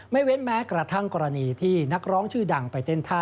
เว้นแม้กระทั่งกรณีที่นักร้องชื่อดังไปเต้นท่า